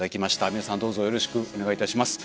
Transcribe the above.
皆さんどうぞよろしくお願い致します。